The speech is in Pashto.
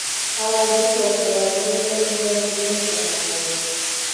هغه وخت د تېږې واټن یوازې څلور څلوېښت زره کیلومتره پاتې و.